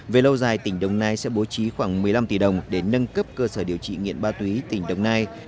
về lâu dài tỉnh đồng nai sẽ bố trí khoảng một mươi năm tỷ đồng để nâng cấp cơ sở điều trị nghiện ma túy tỉnh đồng nai